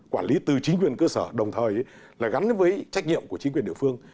quản lý từ chính quyền cơ sở đồng thời là gắn với trách nhiệm của chính quyền địa phương